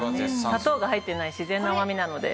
砂糖が入ってない自然な甘みなので。